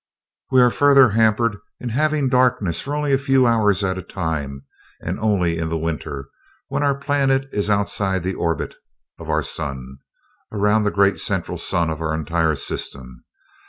We are further hampered in having darkness for only a few hours at a time and only in the winter, when our planet is outside the orbit of our sun around the great central sun of our entire system.